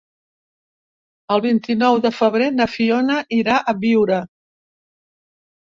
El vint-i-nou de febrer na Fiona irà a Biure.